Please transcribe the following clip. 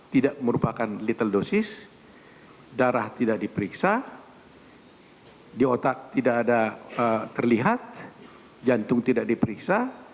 tidak merupakan little dosis darah tidak diperiksa di otak tidak ada terlihat jantung tidak diperiksa